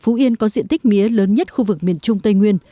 phú yên có diện tích mía lớn nhất khu vực miền trung tây nguyên